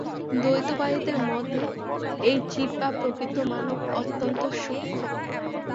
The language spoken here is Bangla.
দ্বৈতবাদীদের মতে এই জীব বা প্রকৃত মানব অত্যন্ত সূক্ষ্ম।